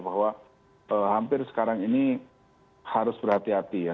bahwa hampir sekarang ini harus berhati hati ya